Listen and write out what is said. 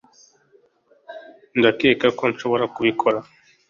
ndakeka ko nshobora kubikora.